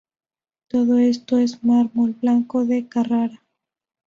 Todo esto en mármol blanco de Carrara.